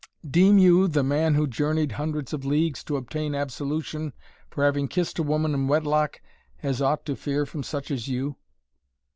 "Deem you, the man who journeyed hundreds of leagues to obtain absolution for having kissed a woman in wedlock has aught to fear from such as you?"